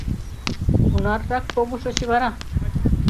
Кунаррак погышыч вара?